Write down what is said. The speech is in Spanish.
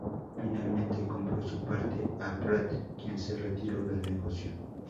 Finalmente, compró su parte a Pratt, quien se retiró del negocio.